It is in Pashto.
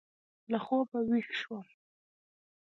له خوبه وېښ شوم.